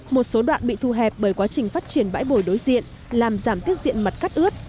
một số đoạn bị thu hẹp bởi quá trình phát triển bãi bồi đối diện làm giảm tiết diện mặt cắt ướt